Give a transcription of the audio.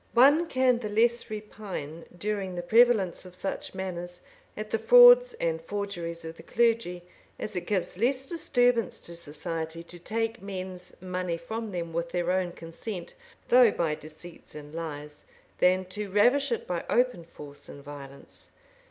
One can the less repine, during the prevalence of such manners, at the frauds and forgeries of the clergy; as it gives less disturbance to society to take men's money from them with their own consent, though by deceits and lies, than to ravish it by open force and violence.